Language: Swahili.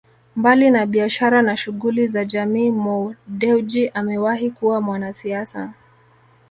Mbali na biashara na shughuli za jamii Mo Dewji amewahi kuwa mwanasiasa